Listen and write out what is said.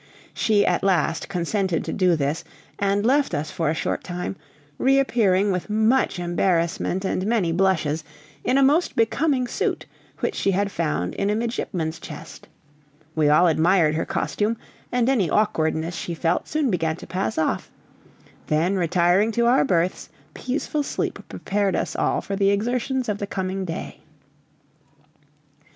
She at last consented to do this, and left us for a short time, reappearing with much embarrassment and many blushes, in a most becoming suit, which she had found in a midshipman's chest. We all admired her costume, and any awkwardness she felt soon began to pass off; then retiring to our berths, peaceful sleep prepared us all for the exertions of the coming day.